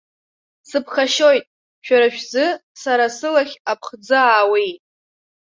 Сыԥхашьоит, шәара шәзы сара сылахь аԥхӡы аауеит!